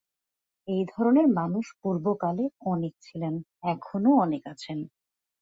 এই ধরনের মানুষ পূর্বকালে অনেক ছিলেন, এখনও অনেক আছেন।